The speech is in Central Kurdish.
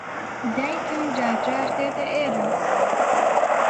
دایکم جار جار دێتە ئێرە.